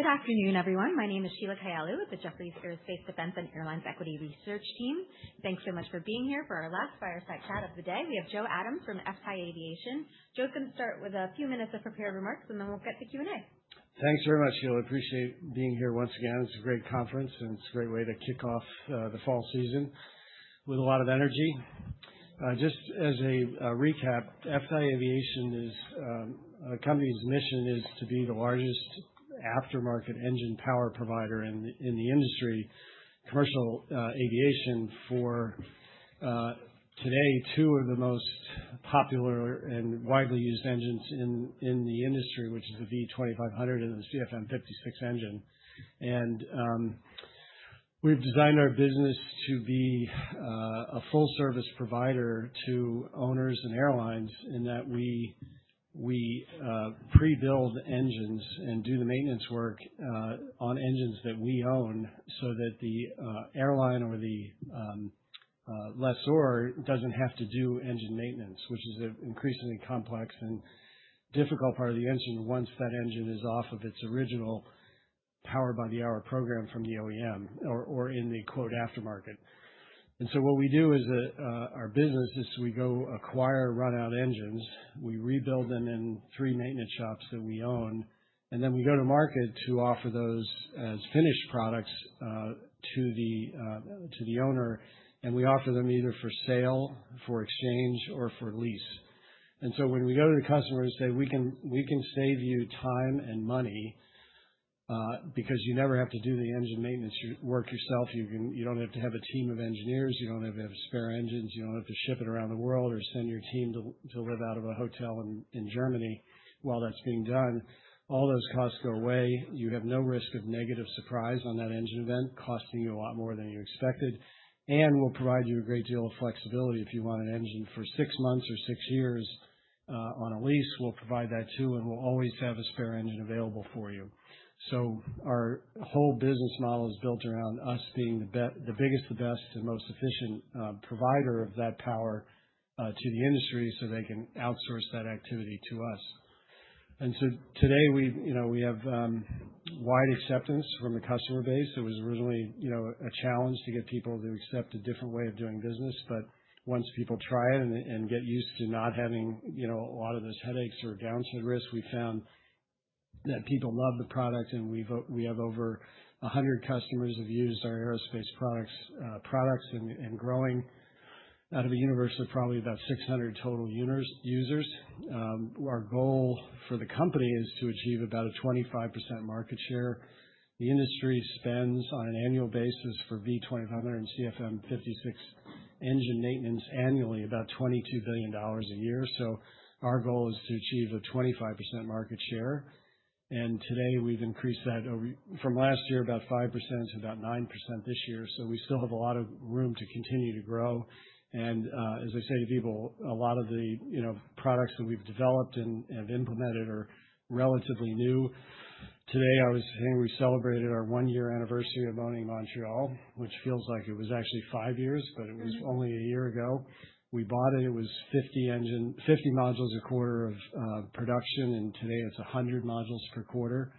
Good afternoon, everyone. My name is Sheila Kahyaoglu with the Jefferies Aerospace, Defense, and Airlines Equity Research Team. Thanks so much for being here for our last fireside chat of the day. We have Joe Adams from FTAI Aviation. Joe's going to start with a few minutes of prepared remarks, and then we'll get to Q&A. Thanks very much, Sheila. Appreciate being here once again. It's a great conference, and it's a great way to kick off the fall season with a lot of energy. Just as a recap, FTAI Aviation is our company's mission is to be the largest aftermarket engine power provider in the industry, commercial aviation for today, two of the most popular and widely used engines in the industry, which is the V2500 and the CFM56 engine. We've designed our business to be a full service provider to owners and airlines in that we pre-build engines and do the maintenance work on engines that we own so that the airline or the lessor doesn't have to do engine maintenance, which is an increasingly complex and difficult part of the engine once that engine is off of its original power by the hour program from the OEM or in the quote, "aftermarket." What we do is that our business is we go acquire run-out engines. We rebuild them in three maintenance shops that we own, and then we go to market to offer those as finished products to the owner, and we offer them either for sale, for exchange, or for lease. So when we go to the customer and say, "We can save you time and money because you never have to do the engine maintenance work yourself. You don't have to have a team of engineers. You don't have to have spare engines. You don't have to ship it around the world or send your team to live out of a hotel in Germany while that's being done. All those costs go away. You have no risk of negative surprise on that engine event, costing you a lot more than you expected, and we'll provide you a great deal of flexibility. If you want an engine for six months or six years, on a lease, we'll provide that, too, and we'll always have a spare engine available for you." Our whole business model is built around us being the biggest, the best, and most efficient provider of that power to the industry, so they can outsource that activity to us. And so today we, you know, we have wide acceptance from the customer base. It was originally, you know, a challenge to get people to accept a different way of doing business, but once people try it and, and get used to not having, you know, a lot of those headaches or downside risks, we found that people love the product, and we have over 100 customers who've used our Aerospace Products, products and, and growing out of a universe of probably about 600 total users. Our goal for the company is to achieve about a 25% market share. The industry spends on an annual basis for V2500 and CFM56 engine maintenance annually, about $22 billion a year. So our goal is to achieve a 25% market share, and today we've increased that over... from last year, about 5% to about 9% this year. So we still have a lot of room to continue to grow, and as I say to people, a lot of the, you know, products that we've developed and implemented are relatively new. Today, I was saying we celebrated our one-year anniversary of owning Montreal, which feels like it was actually five years- But it was only a year ago. We bought it, it was 50 engines, 50 modules a quarter of production, and today it's 100 modules per quarter.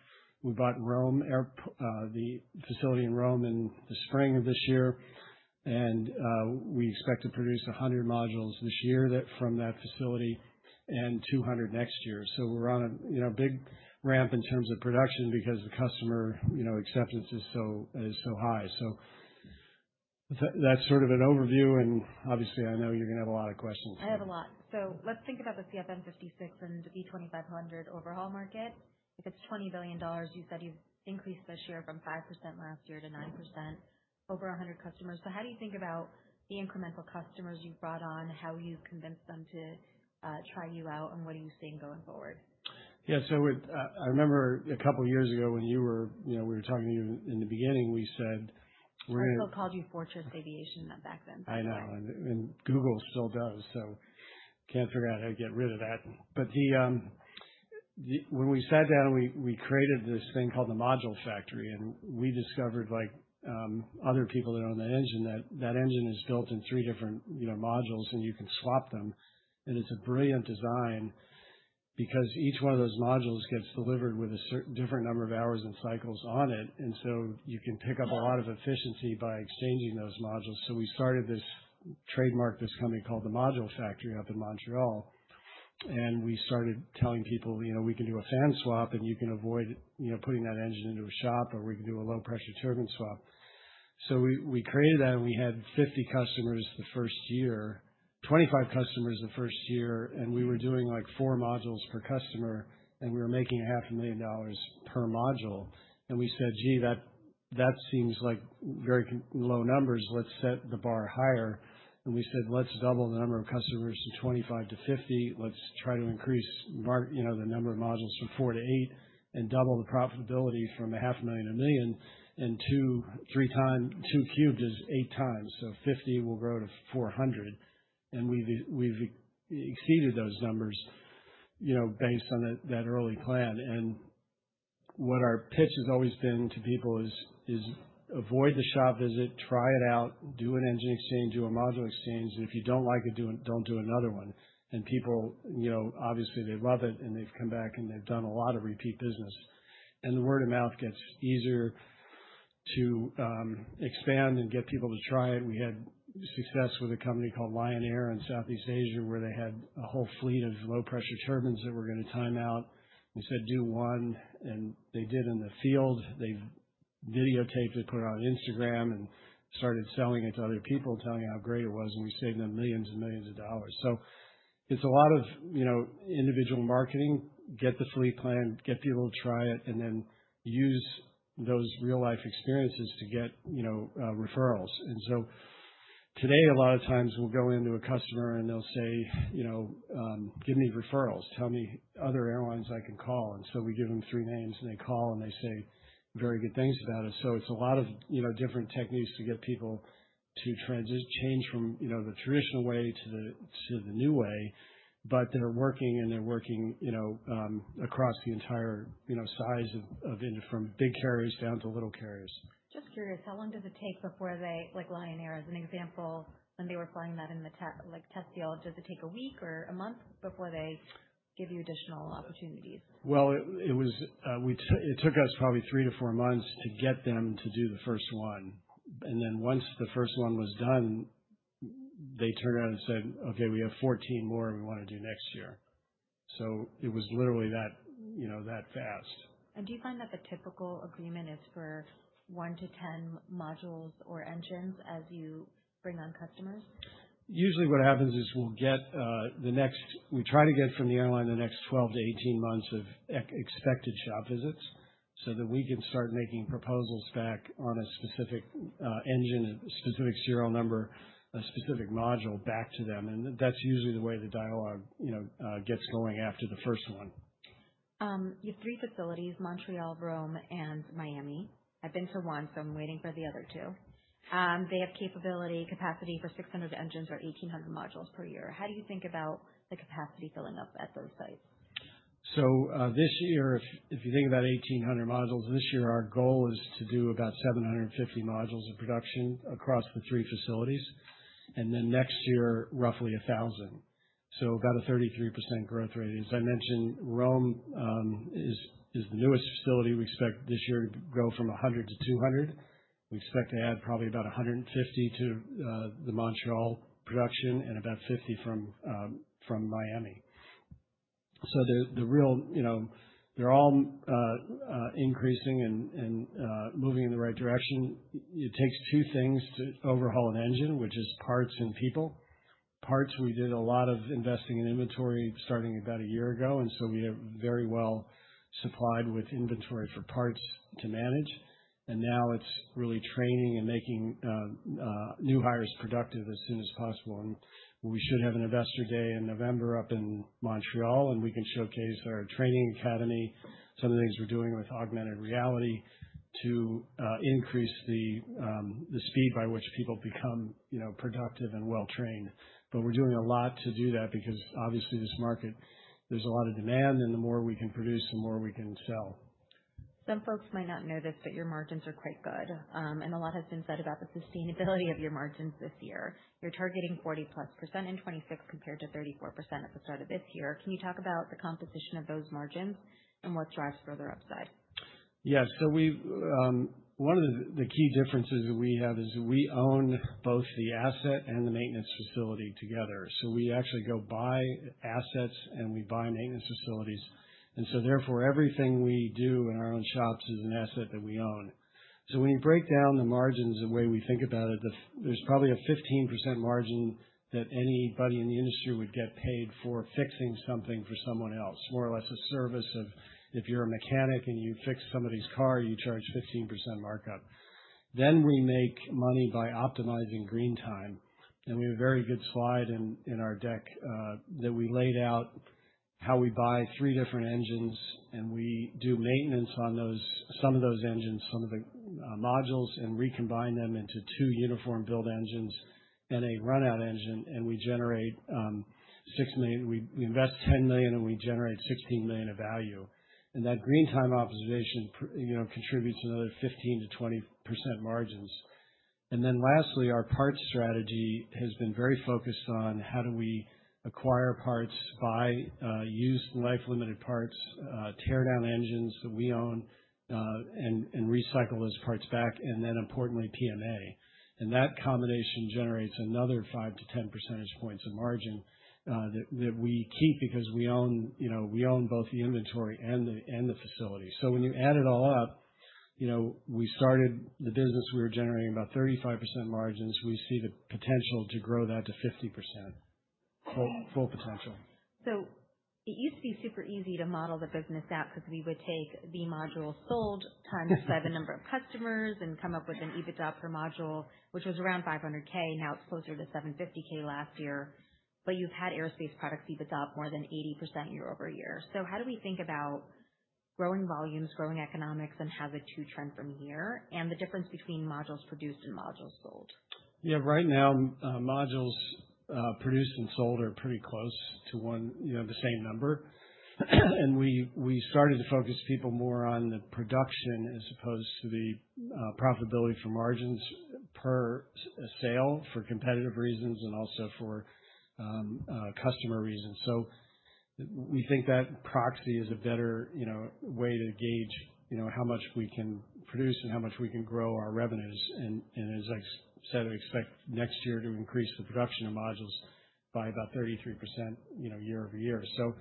We bought the facility in Rome in the spring of this year, and we expect to produce 100 modules this year from that facility, and 200 next year. So we're on a, you know, big ramp in terms of production, because the customer, you know, acceptance is so high. So that's sort of an overview, and obviously, I know you're gonna have a lot of questions. I have a lot. So let's think about the CFM56 and V2500 overhaul market. If it's $20 billion, you said you've increased this year from 5% last year to 9%, over 100 customers. So how do you think about the incremental customers you've brought on, how you've convinced them to try you out, and what are you seeing going forward? Yeah, so it, I remember a couple years ago when you were... You know, we were talking to you in the beginning, we said, "We're gonna- I also called you Fortress Aviation back then. I know, and Google still does, so can't figure out how to get rid of that, but when we sat down and we created this thing called the Module Factory, and we discovered, like, other people that own the engine, that that engine is built in three different, you know, modules, and you can swap them, and it's a brilliant design because each one of those modules gets delivered with a different number of hours and cycles on it, and so you can pick up a lot of efficiency by exchanging those modules, so we started this... trademarked this company called the Module Factory up in Montreal, and we started telling people, "You know, we can do a fan swap, and you can avoid, you know, putting that engine into a shop, or we can do a low-pressure turbine swap." So we created that, and we had 25 customers the first year, and we were doing, like, 4 modules per customer, and we were making $500,000 per module. And we said: Gee, that seems like very low numbers. Let's set the bar higher. And we said: Let's double the number of customers from 25 to 50. Let's try to increase, you know, the number of modules from 4 to 8 and double the profitability from $500,000 to $1 million, and two, three times, two cubed is eight times. 50 will grow to 400, and we've exceeded those numbers, you know, based on that early plan. And what our pitch has always been to people is avoid the shop visit, try it out, do an engine exchange, do a module exchange, and if you don't like it, don't do another one. And people, you know, obviously they love it, and they've come back, and they've done a lot of repeat business. And the word of mouth gets easier to expand and get people to try it. We had success with a company called Lion Air in Southeast Asia, where they had a whole fleet of low pressure turbines that were gonna time out. We said, "Do one," and they did in the field. They videotaped it, put it on Instagram, and started selling it to other people, telling how great it was, and we saved them millions and millions of dollars. So it's a lot of, you know, individual marketing. Get the fleet plan, get people to try it, and then use those real-life experiences to get, you know, referrals. And so today, a lot of times, we'll go into a customer, and they'll say, you know: Give me referrals. Tell me other airlines I can call. And so we give them three names, and they call, and they say very good things about us. So it's a lot of, you know, different techniques to get people to change from, you know, the traditional way to the new way, but they're working, and they're working, you know, across the entire, you know, size of industry from big carriers down to little carriers. Just curious, how long does it take before they... Like, Lion Air, as an example, when they were flying that in the like, test deal, does it take a week or a month before they give you additional opportunities? It took us probably three to four months to get them to do the first one, and then once the first one was done, they turned around and said, "Okay, we have fourteen more we wanna do next year." So it was literally that, you know, that fast. Do you find that the typical agreement is for one to ten modules or engines as you bring on customers? Usually what happens is, we try to get from the airline the next twelve to eighteen months of expected shop visits, so that we can start making proposals back on a specific engine and specific serial number, a specific module back to them, and that's usually the way the dialogue, you know, gets going after the first one. You have three facilities, Montreal, Rome, and Miami. I've been to one, so I'm waiting for the other two. They have capability, capacity for six hundred engines or eighteen hundred modules per year. How do you think about the capacity filling up at those sites? So this year, if you think about 1,800 modules, this year our goal is to do about 750 modules of production across the three facilities, and then next year roughly 1,000, so about a 33% growth rate. As I mentioned, Rome is the newest facility. We expect this year to go from 100 to 200. We expect to add probably about 150 to the Montreal production and about 50 from Miami. So the real... You know, they're all increasing and moving in the right direction. It takes two things to overhaul an engine, which is parts and people. Parts, we did a lot of investing in inventory starting about a year ago, and so we are very well supplied with inventory for parts to manage, and now it's really training and making new hires productive as soon as possible. We should have an investor day in November up in Montreal, and we can showcase our training academy, some of the things we're doing with augmented reality to increase the speed by which people become, you know, productive and well trained. We're doing a lot to do that because, obviously, this market, there's a lot of demand, and the more we can produce, the more we can sell. Some folks might not know this, but your margins are quite good, and a lot has been said about the sustainability of your margins this year. You're targeting 40+% in 2026, compared to 34% at the start of this year. Can you talk about the composition of those margins and what drives further upside? Yeah. So we've. One of the key differences we have is we own both the asset and the maintenance facility together, so we actually go buy assets, and we buy maintenance facilities, and so therefore, everything we do in our own shops is an asset that we own. So when you break down the margins, the way we think about it, there's probably a 15% margin that anybody in the industry would get paid for fixing something for someone else, more or less a service of if you're a mechanic and you fix somebody's car, you charge 15% markup. Then we make money by optimizing green time, and we have a very good slide in our deck that we laid out how we buy three different engines, and we do maintenance on those, some of those engines, some of the modules, and recombine them into two uniform build engines and a run-out engine, and we invest $10 million, and we generate $16 million of value. And that green time optimization you know contributes another 15%-20% margins. And then lastly, our parts strategy has been very focused on how do we acquire parts, buy used life limited parts, tear down engines that we own, and recycle those parts back, and then importantly, PMA. And that combination generates another five to ten percentage points of margin that we keep because we own, you know, we own both the inventory and the facility. So when you add it all up, you know, we started the business. We were generating about 35% margins. We see the potential to grow that to 50%, full potential. So it used to be super easy to model the business out, because we would take the module sold times by the number of customers and come up with an EBITDA per module, which was around $500,000. Now it's closer to $750,000 last year. But you've had Aerospace Products EBITDA more than 80% year over year. So how do we think about growing volumes, growing economics, and how the two trend from here and the difference between modules produced and modules sold? Yeah. Right now, modules produced and sold are pretty close to one, you know, the same number. And we started to focus people more on the production as opposed to the profitability for margins per sale, for competitive reasons and also for customer reasons. We think that proxy is a better, you know, way to gauge, you know, how much we can produce and how much we can grow our revenues. And as I said, we expect next year to increase the production of modules by about 33%, you know, year over year. So,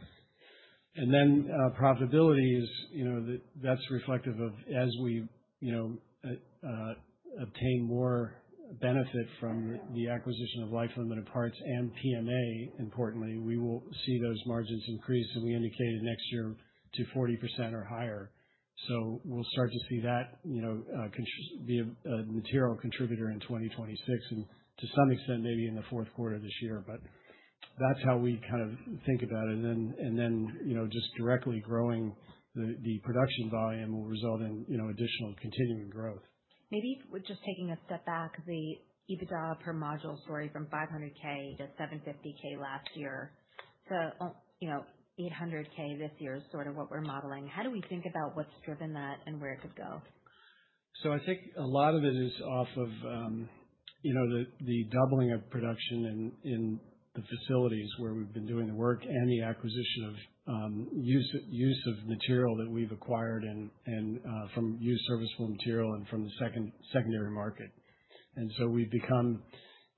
and then profitability is, you know, that's reflective of, as we, you know, obtain more benefit from the acquisition of life-limited parts and PMA. Importantly, we will see those margins increase, and we indicated next year to 40% or higher. So we'll start to see that, you know, be a material contributor in 2026, and to some extent, maybe in the fourth quarter of this year. But that's how we kind of think about it. And then, you know, just directly growing the production volume will result in, you know, additional continuing growth. Maybe just taking a step back, the EBITDA per module story from $500K to $750K last year to, you know, $800K this year is sort of what we're modeling. How do we think about what's driven that and where it could go? So I think a lot of it is off of, you know, the doubling of production in the facilities where we've been doing the work and the acquisition of used serviceable material that we've acquired and from used serviceable material and from the secondary market. And so we've become.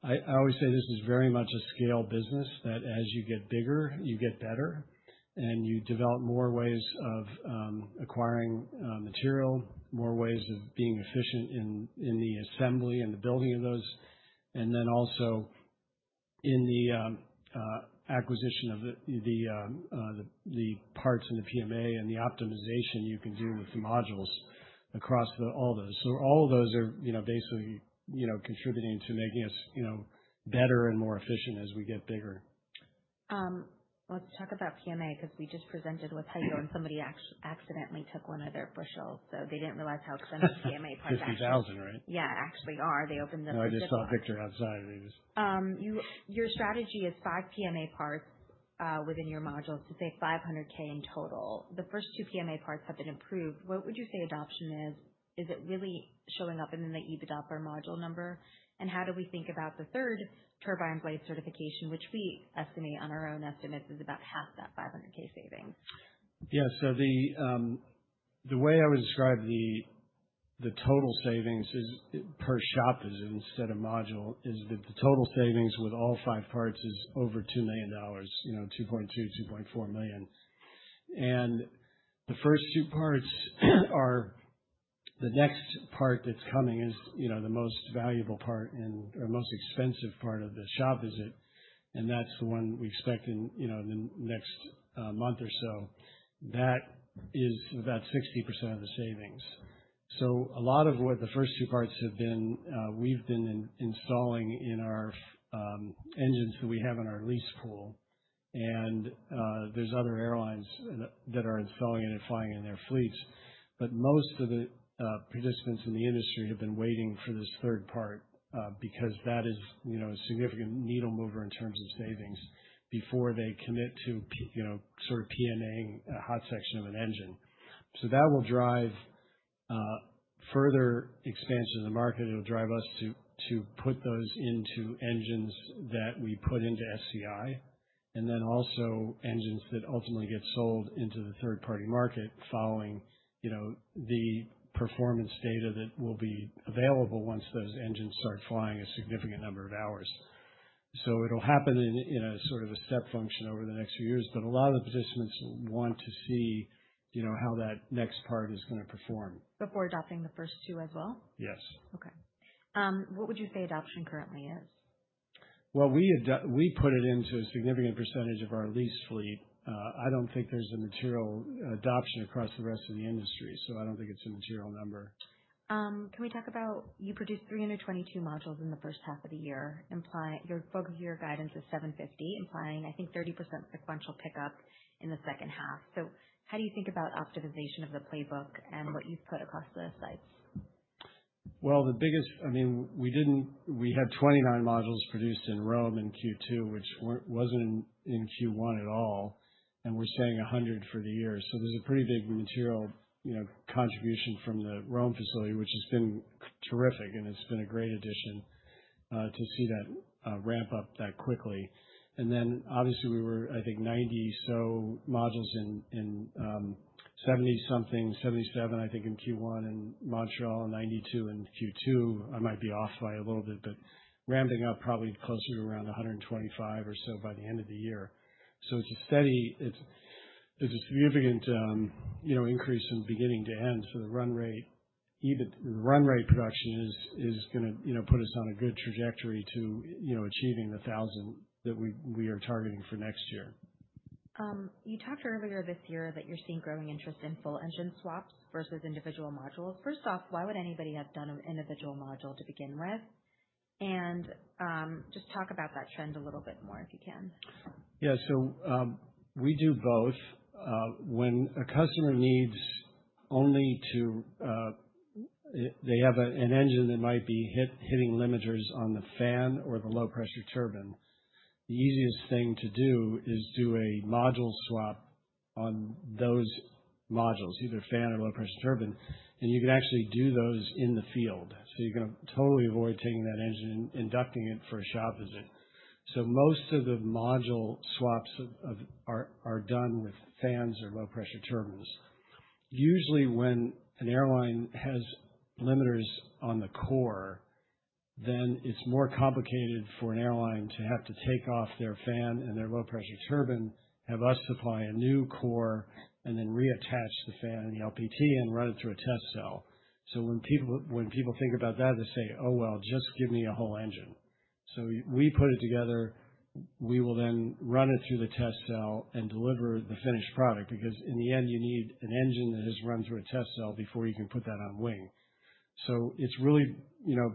I always say this is very much a scale business, that as you get bigger, you get better, and you develop more ways of acquiring material, more ways of being efficient in the assembly and the building of those, and then also in the acquisition of the parts and the PMA and the optimization you can do with the modules across all those. So all of those are, you know, basically, you know, contributing to making us, you know, better and more efficient as we get bigger. Let's talk about PMA, 'cause we just presented with how you and somebody accidentally took one of their bushels, so they didn't realize how extensive the PMA parts actually- 50,000, right? Yeah, actually are. They opened the- No, I just saw a picture outside and it was- Your strategy is five PMA parts within your modules to save $500,000 in total. The first two PMA parts have been improved. What would you say adoption is? Is it really showing up in the EBITDA per module number? And how do we think about the third turbine blade certification, which we estimate on our own estimates, is about half that $500,000 savings? Yeah. So the way I would describe the total savings is, per shop visit instead of module, is that the total savings with all five parts is over $2 million, you know, $2.2-$2.4 million. And the first two parts are... The next part that's coming is, you know, the most valuable part and, or most expensive part of the shop visit, and that's the one we expect in, you know, in the next month or so. That is about 60% of the savings. So a lot of what the first two parts have been, we've been installing in our engines that we have in our lease pool. And there's other airlines that are installing it and flying in their fleets. But most of the participants in the industry have been waiting for this third part, because that is, you know, a significant needle mover in terms of savings before they commit to, you know, sort of PMA-ing a hot section of an engine. So that will drive further expansion in the market. It'll drive us to put those into engines that we put into SCI, and then also engines that ultimately get sold into the third-party market, following, you know, the performance data that will be available once those engines start flying a significant number of hours. So it'll happen in a sort of a step function over the next few years, but a lot of the participants want to see, you know, how that next part is gonna perform. Before adopting the first two as well? Yes. Okay. What would you say adoption currently is? We put it into a significant percentage of our lease fleet. I don't think there's a material adoption across the rest of the industry, so I don't think it's a material number. Can we talk about... You produced 322 modules in the first half of the year, implying your full year guidance is 750, implying, I think, 30% sequential pickup in the second half. So how do you think about optimization of the playbook and what you've put across the slides? The biggest, I mean, we had 29 modules produced in Rome in Q2, which weren't in Q1 at all, and we're saying 100 for the year. There's a pretty big material, you know, contribution from the Rome facility, which has been terrific, and it's been a great addition to see that ramp up that quickly. Obviously, we were, I think, 90 or so modules in seventy something, 77, I think, in Q1, in Montreal, and 92 in Q2. I might be off by a little bit, but ramping up probably closer to around 125 or so by the end of the year. It's a steady. It's a significant, you know, increase from beginning to end for the run rate. Even run rate production is gonna, you know, put us on a good trajectory to, you know, achieving the thousand that we are targeting for next year. You talked earlier this year that you're seeing growing interest in full engine swaps versus individual modules. First off, why would anybody have done an individual module to begin with? And just talk about that trend a little bit more, if you can. Yeah. So, we do both. When a customer needs only to, they have an engine that might be hitting limiters on the fan or the low-pressure turbine, the easiest thing to do is do a module swap on those modules, either fan or low pressure turbine, and you can actually do those in the field. So you can totally avoid taking that engine and inducting it for a shop visit. So most of the module swaps are done with fans or low pressure turbines. Usually, when an airline has limiters on the core, then it's more complicated for an airline to have to take off their fan and their low pressure turbine, have us supply a new core, and then reattach the fan and the LPT and run it through a test cell. So when people think about that, they say, "Oh, well, just give me a whole engine." So we put it together. We will then run it through the test cell and deliver the finished product, because in the end, you need an engine that has run through a test cell before you can put that on wing. So it's really, you know,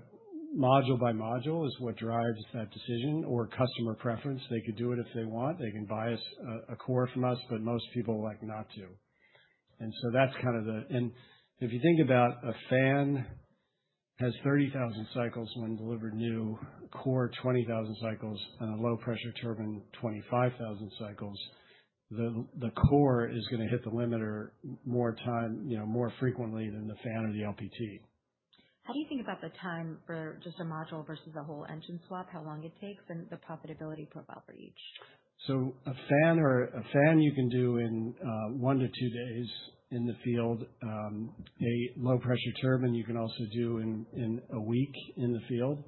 module by module is what drives that decision or customer preference. They could do it if they want. They can buy a core from us, but most people like not to. And so that's kind of the... And if you think about a fan has 30,000 cycles when delivered new, core 20,000 cycles, and a low-pressure turbine, 25,000 cycles, the core is gonna hit the limiter more time, you know, more frequently than the fan or the LPT. How do you think about the time for just a module versus a whole engine swap, how long it takes and the profitability profile for each? So a fan you can do in one to two days in the field. A low pressure turbine, you can also do in a week in the field.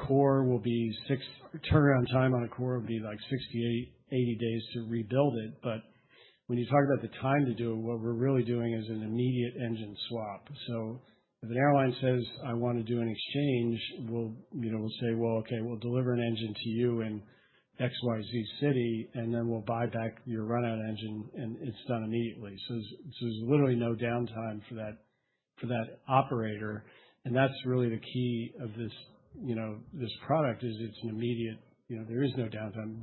Turnaround time on a core would be like 60-80 days to rebuild it, but when you talk about the time to do it, what we're really doing is an immediate engine swap. So if an airline says, "I want to do an exchange," we'll, you know, we'll say, "Well, okay, we'll deliver an engine to you in XYZ city, and then we'll buy back your run out engine," and it's done immediately. So there's literally no downtime for that operator, and that's really the key of this, you know, this product is it's an immediate. You know, there is no downtime.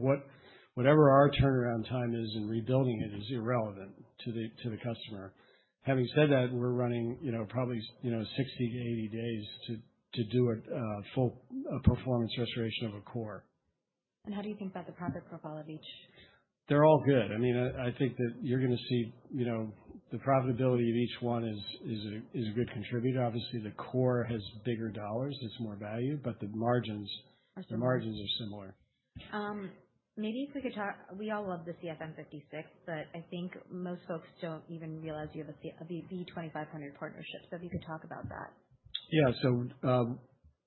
Whatever our turnaround time is in rebuilding it is irrelevant to the customer. Having said that, we're running, you know, probably, you know, sixty to eighty days to do a full performance restoration of a core. How do you think about the profit profile of each? They're all good. I mean, I think that you're gonna see, you know, the profitability of each one is a good contributor. Obviously, the core has bigger dollars, it's more value, but the margins- Are similar. The margins are similar. Maybe if we could talk. We all love the CFM56, but I think most folks don't even realize you have a C, a V2500 partnership. So if you could talk about that. Yeah. So,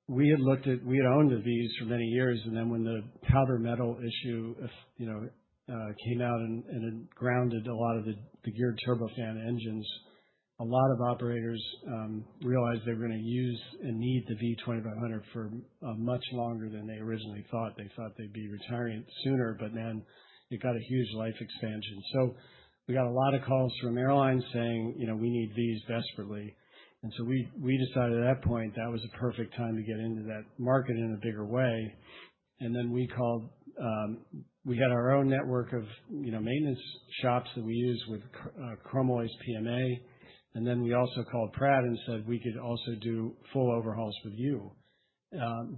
we had owned the Vs for many years, and then when the powder metal issue, you know, came out and it grounded a lot of the Geared Turbofan engines, a lot of operators realized they were gonna use and need the V2500 for much longer than they originally thought. They thought they'd be retiring it sooner, but then it got a huge life expansion. So we got a lot of calls from airlines saying, you know, "We need these desperately." And so we decided at that point, that was a perfect time to get into that market in a bigger way. And then we called... We had our own network of, you know, maintenance shops that we use with Chromalloy PMA, and then we also called Pratt and said, "We could also do full overhauls with you,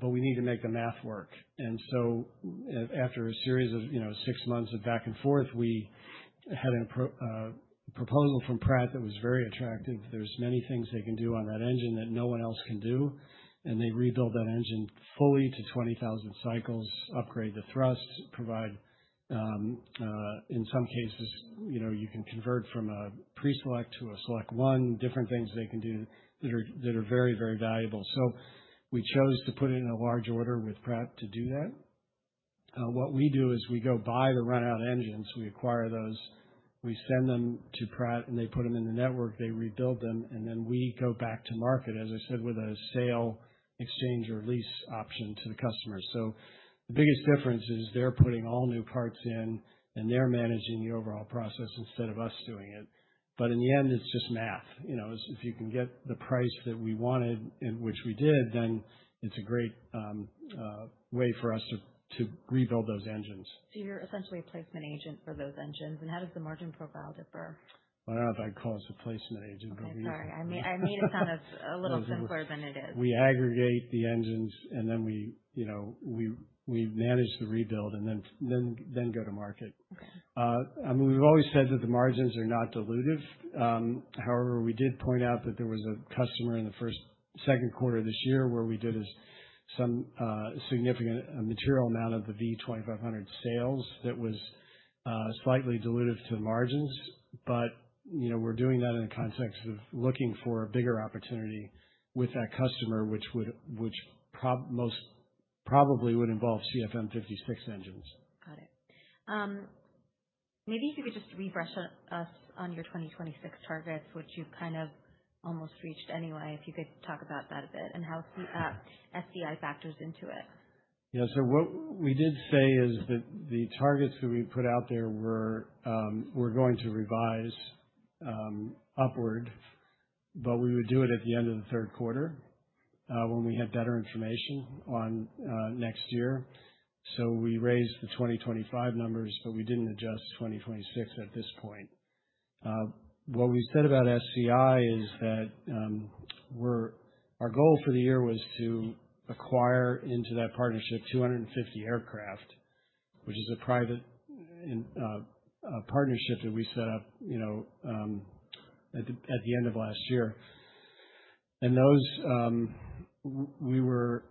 but we need to make the math work." And so after a series of, you know, six months of back and forth, we had a proposal from Pratt that was very attractive. There's many things they can do on that engine that no one else can do, and they rebuild that engine fully to twenty thousand cycles, upgrade the thrust, provide, in some cases, you know, you can convert from a Pre-Select to a SelectOne, different things they can do that are very, very valuable. So we chose to put in a large order with Pratt to do that. What we do is we go buy the run-out engines, we acquire those, we send them to Pratt, and they put them in the network, they rebuild them, and then we go back to market, as I said, with a sale, exchange, or lease option to the customer. So the biggest difference is they're putting all new parts in, and they're managing the overall process instead of us doing it. But in the end, it's just math. You know, if you can get the price that we wanted, and which we did, then it's a great way for us to rebuild those engines. You're essentially a placement agent for those engines, and how does the margin profile differ? I don't know if I'd call us a placement agent, but- I'm sorry. I made it sound a little simpler than it is. We aggregate the engines, and then we, you know, manage the rebuild and then go to market. I mean, we've always said that the margins are not dilutive. However, we did point out that there was a customer in the second quarter of this year, where we did some significant material amount of the V2500 sales that was slightly dilutive to the margins. But, you know, we're doing that in the context of looking for a bigger opportunity with that customer, which most probably would involve CFM56 engines. Got it. Maybe if you could just refresh us on your twenty twenty-six targets, which you've kind of almost reached anyway. If you could talk about that a bit and how CFM factors into it. Yeah. So what we did say is that the targets that we put out there were, we're going to revise upward, but we would do it at the end of the third quarter, when we had better information on next year. So we raised the 2025 numbers, but we didn't adjust 2026 at this point. What we said about SCI is that our goal for the year was to acquire into that partnership 250 aircraft, which is a private in a partnership that we set up, you know, at the end of last year. And those, we were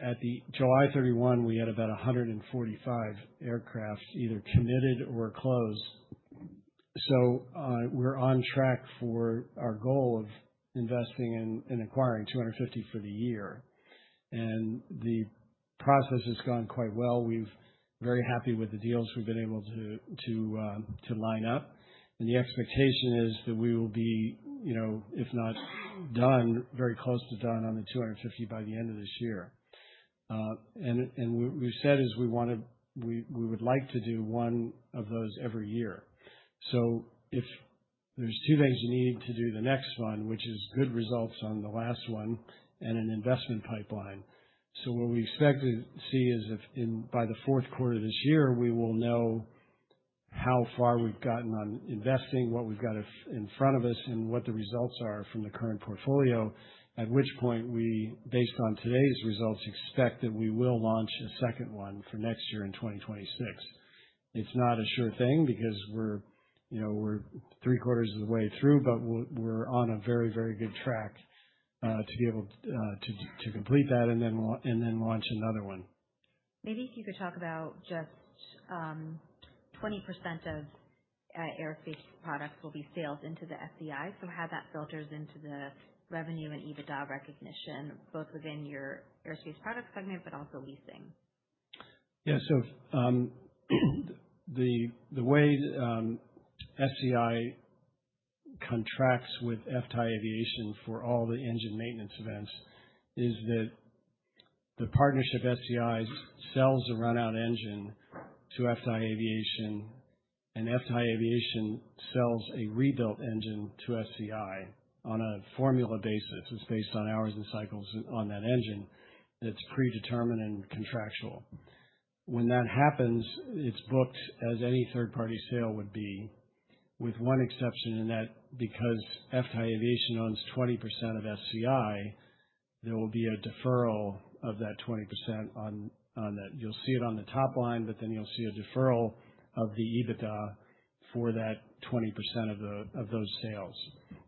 at July 31, we had about 145 aircraft either committed or closed. We're on track for our goal of investing and acquiring 250 for the year. The process has gone quite well. We're very happy with the deals we've been able to line up, and the expectation is that we will be, you know, if not done, very close to done on the 250 by the end of this year. And we said we wanna we would like to do one of those every year. If there's two things you need to do the next one, which is good results on the last one and an investment pipeline. So what we expect to see is if in by the fourth quarter of this year, we will know how far we've gotten on investing, what we've got in front of us, and what the results are from the current portfolio, at which point we, based on today's results, expect that we will launch a second one for next year in twenty twenty-six. It's not a sure thing because we're, you know, we're three quarters of the way through, but we're, we're on a very, very good track, to be able to complete that and then launch another one. Maybe if you could talk about just, 20% of, Aerospace Products will be sales into the SCI. So how that filters into the revenue and EBITDA recognition, both within your Aerospace Products segment, but also Leasing? Yeah. So the way SCI contracts with FTAI Aviation for all the engine maintenance events is that the partnership, SCI, sells a run-out engine to FTAI Aviation, and FTAI Aviation sells a rebuilt engine to SCI on a formula basis. It's based on hours and cycles on that engine, and it's predetermined and contractual. When that happens, it's booked as any third-party sale would be, with one exception, and that's because FTAI Aviation owns 20% of SCI, there will be a deferral of that 20% on that. You'll see it on the top line, but then you'll see a deferral of the EBITDA for that 20% of those sales.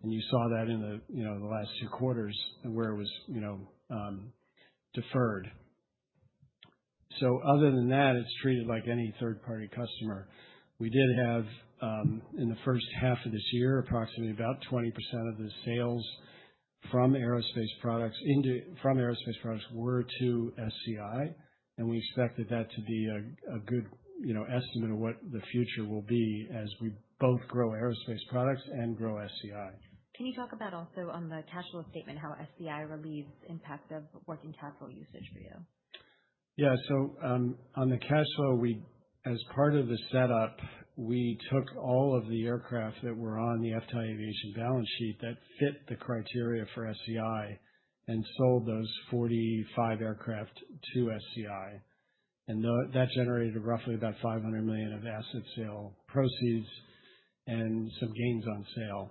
And you saw that in the, you know, the last two quarters where it was, you know, deferred. So other than that, it's treated like any third-party customer. We did have, in the first half of this year, approximately about 20% of the sales from Aerospace Products were to SCI, and we expected that to be a good, you know, estimate of what the future will be as we both grow Aerospace Products and grow SCI. Can you talk about also on the cash flow statement, how SCI relieves the impact of working cash flow usage for you? Yeah. So, on the cash flow, we, as part of the setup, we took all of the aircraft that were on the FTAI Aviation balance sheet that fit the criteria for SCI and sold those 45 aircraft to SCI. And that generated roughly about $500 million of asset sale proceeds and some gains on sale.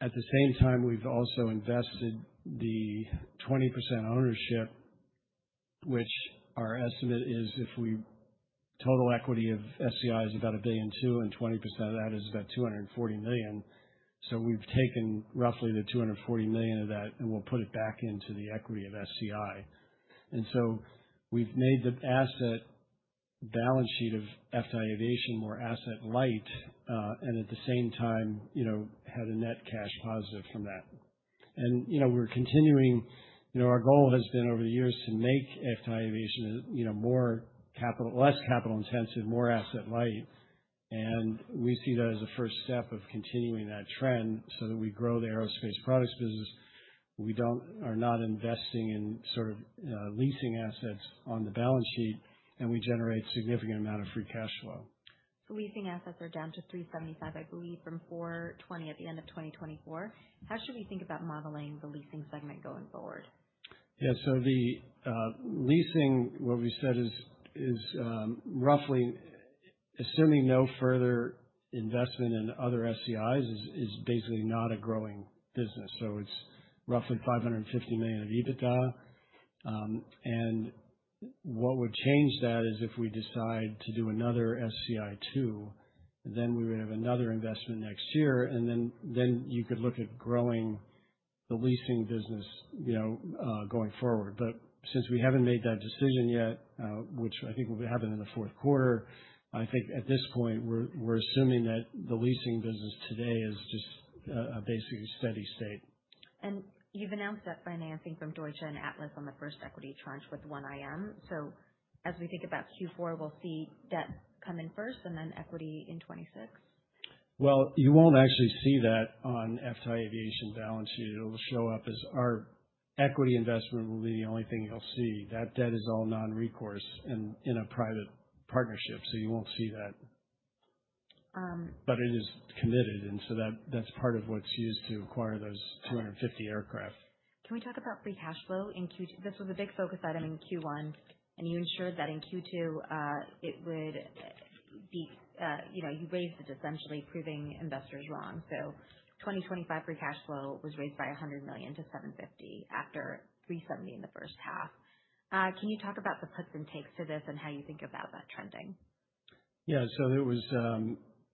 At the same time, we've also invested the 20% ownership. Total equity of SCI is about $1.2 billion, and 20% of that is about $240 million. So we've taken roughly the $240 million of that, and we'll put it back into the equity of SCI. And so we've made the asset balance sheet of FTAI Aviation more asset light, and at the same time, you know, had a net cash positive from that. You know, we're continuing... You know, our goal has been over the years to make FTAI Aviation, you know, more capital- less capital-intensive, more asset light, and we see that as a first step of continuing that trend so that we grow the Aerospace Products business. We don't, are not investing in sort of, leasing assets on the balance sheet, and we generate significant amount of free cash flow. So leasing assets are down to $375, I believe, from $420 at the end of 2024. How should we think about modeling the leasing segment going forward? Yeah. So the leasing, what we said is roughly assuming no further investment in other SCIs, is basically not a growing business. So it's roughly $550 million of EBITDA. And what would change that is if we decide to do another SCI 2, then we would have another investment next year, and then you could look at growing the leasing business, you know, going forward. But since we haven't made that decision yet, which I think will happen in the fourth quarter, I think at this point we're assuming that the leasing business today is just basically steady state. And you've announced that financing from Deutsche and Atlas on the first equity tranche with OneIM. So as we think about Q4, we'll see debt come in first and then equity in 2026? You won't actually see that on FTAI Aviation's balance sheet. It'll show up as our equity investment will be the only thing you'll see. That debt is all non-recourse in a private partnership, so you won't see that. Um- It is committed, and so that, that's part of what's used to acquire those 250 aircraft.... Can we talk about free cash flow in Q2? This was a big focus item in Q1, and you ensured that in Q2, it would be, you know, you raised it, essentially proving investors wrong. So 2025 free cash flow was raised by $100 million to $750 million after $370 million in the first half. Can you talk about the puts and takes to this and how you think about that trending? Yeah. So it was,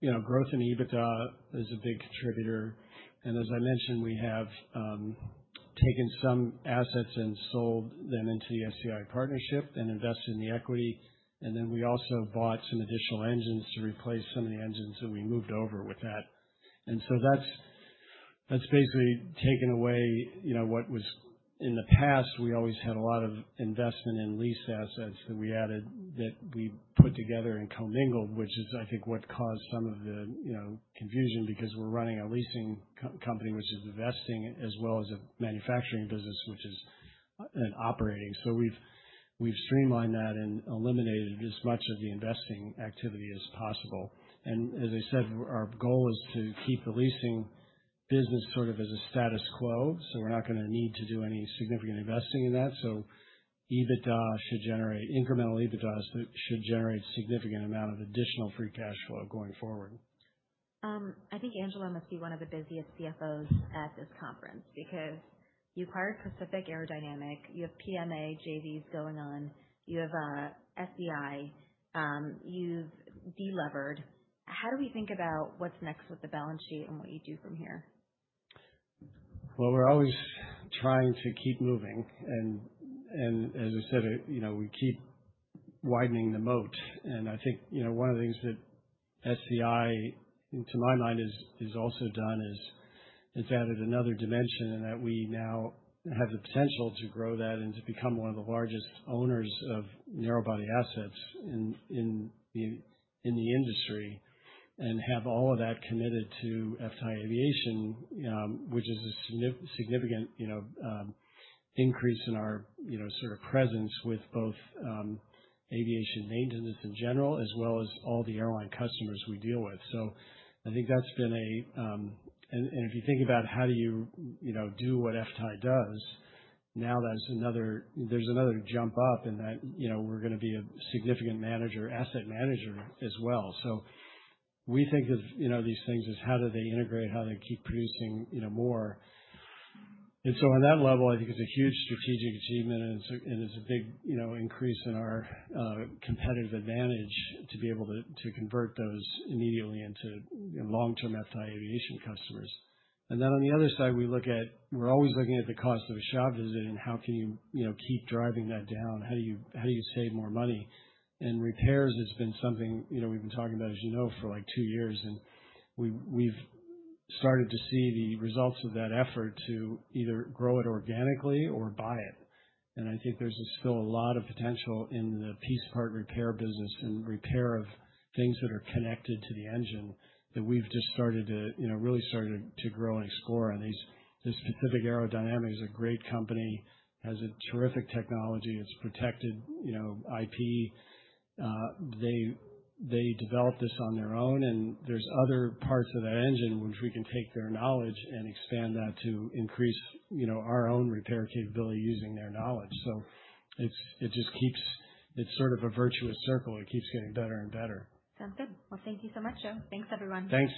you know, growth in EBITDA is a big contributor, and as I mentioned, we have taken some assets and sold them into the SCI partnership and invested in the equity, and then we also bought some additional engines to replace some of the engines that we moved over with that, and so that's basically taken away, you know, what was in the past, we always had a lot of investment in lease assets that we added, that we put together and commingled, which is, I think, what caused some of the, you know, confusion, because we're running a leasing company which is investing as well as a manufacturing business, which is, and operating, so we've streamlined that and eliminated as much of the investing activity as possible. And as I said, our goal is to keep the leasing business sort of as a status quo, so we're not gonna need to do any significant investing in that. So EBITDA should generate incremental EBITDA should generate significant amount of additional free cash flow going forward. I think Angela must be one of the busiest CFOs at this conference, because you've acquired Pacific Aerodynamics, you have PMA JVs going on, you have SCI, you've de-levered. How do we think about what's next with the balance sheet and what you do from here? We're always trying to keep moving, and as I said, you know, we keep widening the moat. And I think, you know, one of the things that FTAI, to my mind, has also done is it's added another dimension, in that we now have the potential to grow that and to become one of the largest owners of narrow body assets in the industry, and have all of that committed to FTAI Aviation, which is a significant, you know, increase in our, you know, sort of presence with both aviation maintenance in general, as well as all the airline customers we deal with. So I think that's been a... If you think about how do you, you know, do what FTAI does, now there's another jump up in that, you know, we're gonna be a significant manager, asset manager as well. We think of, you know, these things as how do they integrate, how do they keep producing, you know, more. And so on that level, I think it's a huge strategic achievement, and it's a big, you know, increase in our competitive advantage to be able to convert those immediately into long-term FTAI Aviation customers. And then on the other side, we look at. We're always looking at the cost of a shop visit and how can you, you know, keep driving that down. How do you save more money? Repairs has been something, you know, we've been talking about, as you know, for, like, two years, and we've started to see the results of that effort to either grow it organically or buy it. I think there's still a lot of potential in the piece part repair business and repair of things that are connected to the engine that we've just started to, you know, grow and explore. This Pacific Aerodynamics is a great company, has a terrific technology. It's protected, you know, IP. They developed this on their own, and there's other parts of that engine which we can take their knowledge and expand that to increase, you know, our own repair capability using their knowledge. It's, it just keeps. It's sort of a virtuous circle. It keeps getting better and better. Sounds good. Well, thank you so much, Joe. Thanks, everyone. Thanks.